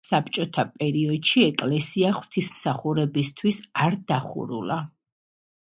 საბჭოთა პერიოდში ეკლესია ღვთისმსახურებისათვის არ დახურულა.